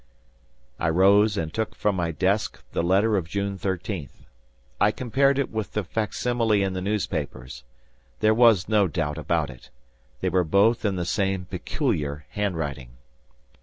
I rose and took from my desk the letter of June thirteenth. I compared it with the facsimile in the newspapers. There was no doubt about it. They were both in the same peculiar hand writing.